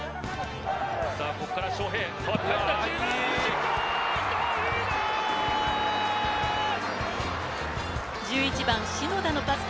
ここから昌平、代わって入った。